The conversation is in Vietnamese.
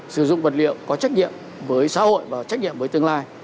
sử dụng vật liệu có trách nhiệm với xã hội và trách nhiệm với tương lai